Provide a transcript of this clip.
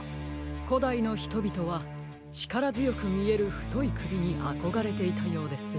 こだいのひとびとはちからづよくみえるふといくびにあこがれていたようです。